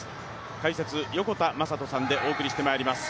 解説、横田真人さんでお送りしていきます。